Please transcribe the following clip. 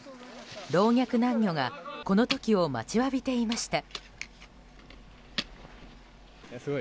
老若男女がこの時を待ちわびていました。